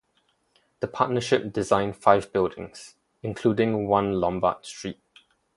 The partnership designed five buildings, including One Lombard Street.